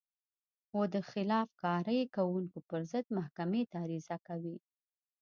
و د خلاف کارۍ کوونکو پر ضد محکمې ته عریضه کوي.